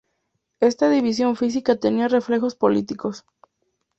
Esta división física tenía reflejos políticos.